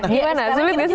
gimana sulit gak sih